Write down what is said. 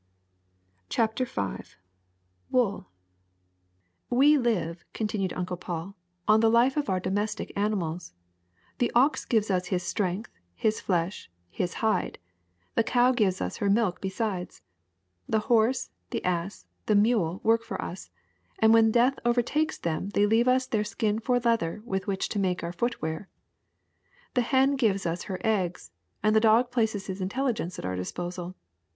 ''^ CHAPTER V WOOL WE live," continued Uncle Paul, "on the life of our domestic animals. The ox gives us his strength, his flesh, his hide ; the cow gives us her milk besides. The horse, the ass, the mule work for us; and when death overtakes them they leave us their skin for leather with which to make our foot wear. The hen gives us her eggs, and the dog places his intelligence at our disposal.